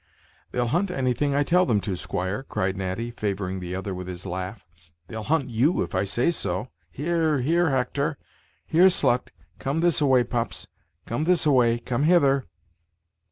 "They'll hunt anything I tell them to, squire," cried Natty, favoring the other with his laugh. "They'll hunt you, if I say so. He e e re, he e e re, Hector he e e re, slut come this a way, pups come this a way come hither."